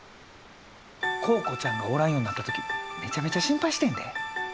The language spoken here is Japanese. コウコちゃんがおらんようになった時めちゃめちゃ心配してんで。